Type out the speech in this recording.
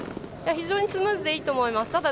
非常にスムーズでいいと思います。